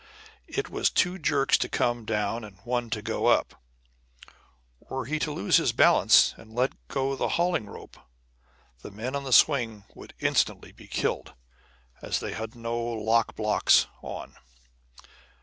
It was two jerks to come down and one to go up. Were he to lose his balance and let go the hauling rope, the men on the swing would instantly be killed, as they had no "lock blocks" on.